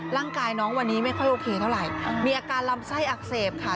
ร่างกายน้องวันนี้ไม่ค่อยโอเคเท่าไหร่มีอาการลำไส้อักเสบค่ะ